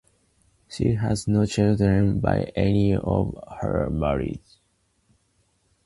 She had no children by any of her marriages.